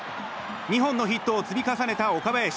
２本のヒットを積み重ねた岡林。